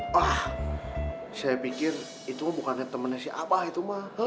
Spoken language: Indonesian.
wah saya pikir itu bukannya temannya si abah itu mah